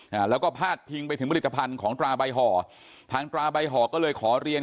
อ่าแล้วก็พาดพิงไปถึงผลิตภัณฑ์ของตราใบห่อทางตราใบห่อก็เลยขอเรียน